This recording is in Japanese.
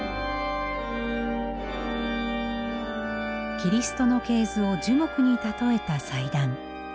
キリストの系図を樹木に例えた祭壇。